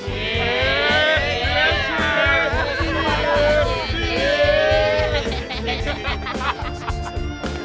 iya bener sih